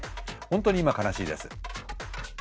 本当に今悲しいです。